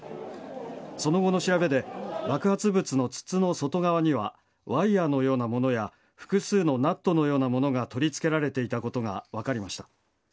その後の調べで爆発物の筒の外側にはワイヤーのようなものや複数のナットのようなものが取り付けられていたことが分かりました。